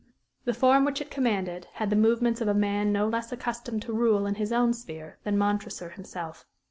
The form which it commanded had the movements of a man no less accustomed to rule in his own sphere than Montresor himself.